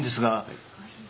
はい。